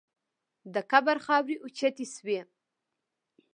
د قبر خاورې اوچتې شوې.